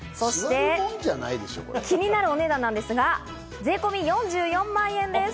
そして気になるお値段なんですが、税込み４４万円です。